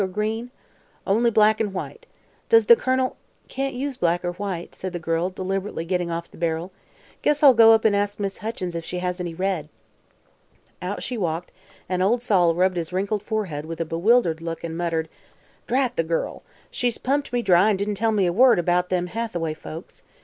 Or green?" "Only black an' white. Does the Colonel " "Can't use black or white," said the girl, deliberately getting off the barrel. "Guess I'll go up and ask Miss Huckins if she has any red." Out she walked, and old Sol rubbed his wrinkled forehead with a bewildered look and muttered: "Drat the gal! She's pumped me dry an' didn't tell me a word about them Hathaway folks.